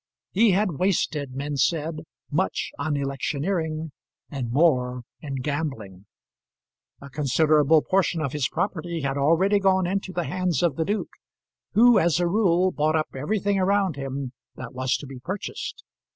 He had wasted, men said, much on electioneering, and more in gambling. A considerable portion of his property had already gone into the hands of the duke, who, as a rule, bought up everything around him that was to be purchased.